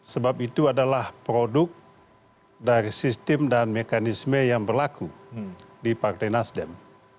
sebab itu adalah produk dari sistem dan mekanisme yang berlaku di partai nasdem